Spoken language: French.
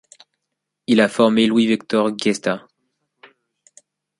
Il a formé Louis-Victor Gesta.